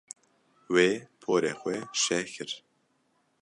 Wê porê xwe şeh kir.